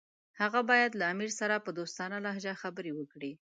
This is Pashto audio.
هغه باید له امیر سره په دوستانه لهجه خبرې وکړي.